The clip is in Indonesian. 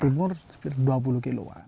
timur sekitar dua puluh kilometer